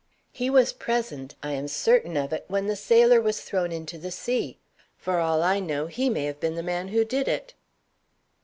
"He was present I am certain of it when the sailor was thrown into the sea. For all I know, he may have been the man who did it."